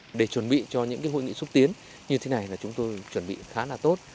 và để chuẩn bị cho những hội nghị xúc tiến như thế này là chúng tôi chuẩn bị khá là tốt